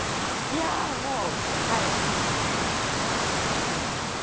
いやもうまだちょっとドキドキしてます